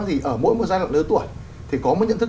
thì ở mỗi một giai đoạn lứa tuổi thì có một nhận thức